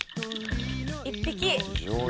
１匹！